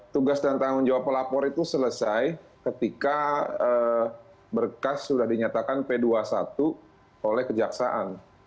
tugas dan tanggung jawab pelapor itu selesai ketika berkas sudah dinyatakan p dua puluh satu oleh kejaksaan